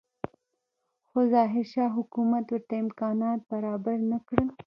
خو ظاهرشاه حکومت ورته امکانات برابر نه کړل.